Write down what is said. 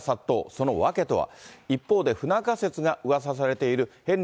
その訳とは。